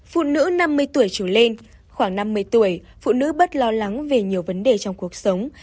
phụ nữ năm mươi tuổi trở lên khoảng năm mươi tuổi phụ nữ bất lo lắng về nhiều vấn đề trong cuộc sống